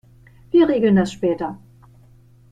Wir regeln das später.